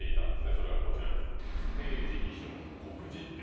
それがこちらです何？